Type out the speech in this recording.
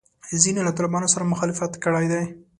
ځینو له طالبانو سره مخالفت کړی دی.